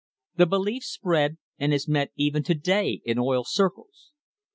The belief spread and is met even to day in oil circles.